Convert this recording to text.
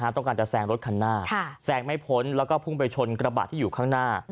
ต้องการจะแซงรถคันหน้าแซงไม่พ้นแล้วก็พุ่งไปชนกระบะที่อยู่ข้างหน้า